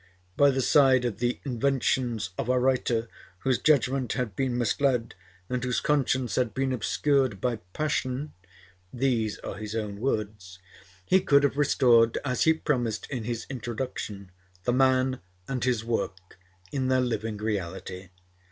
By the side of the "inventions of a writer whose judgment had been misled and whose conscience had been obscured by passion," these are his own words, he could have restored, as he promised in his 'Introduction,' "the man and his work in their living reality."